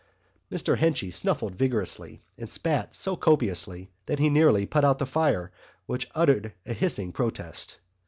Mr Henchy snuffled vigorously and spat so copiously that he nearly put out the fire, which uttered a hissing protest.